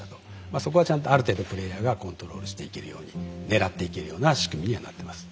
まあそこはちゃんとある程度プレイヤーがコントロールしていけるようにねらっていけるような仕組みにはなってます。